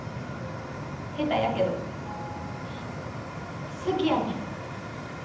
下手やけど好きやねん。